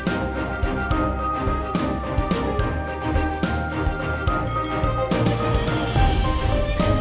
aku akan buktiin